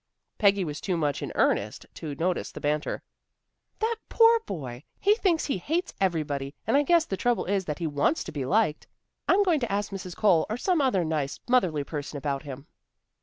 Peggy was too much in earnest to notice the banter. "That poor boy! He thinks he hates everybody, and I guess the trouble is that he wants to be liked. I'm going to ask Mrs. Cole or some other nice, motherly person about him."